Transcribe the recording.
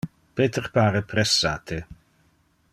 Peter pare pressate.